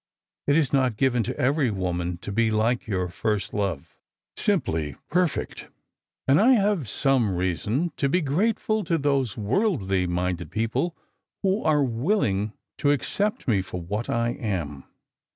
It is not given to every woman to be like your first love — 'simply perfect;' and I have some reason to be grateful to those worldly minded people who are willing to accept me for what I am."